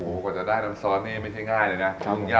กว่าจะได้น้ำซอสนี่ไม่ใช่ง่ายเลยนะ